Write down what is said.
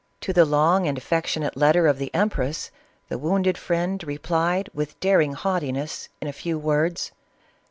To the long and affectionate letter of the empress, the wounded friend replied with daring haughtiness, in a few words.